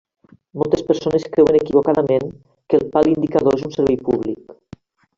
Moltes persones creuen equivocadament que el pal indicador és un servei públic.